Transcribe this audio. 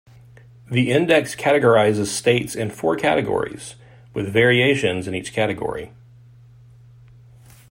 The Index categorizes states in four categories, with variations in each category.